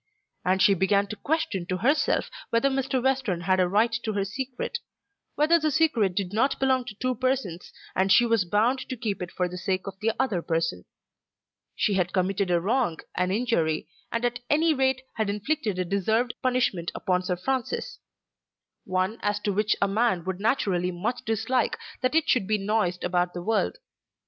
And she began to question to herself whether Mr. Western had a right to her secret, whether the secret did not belong to two persons, and she was bound to keep it for the sake of the other person. She had committed a wrong, an injury, or at any rate had inflicted a deserved punishment upon Sir Francis; one as to which a man would naturally much dislike that it should be noised about the world.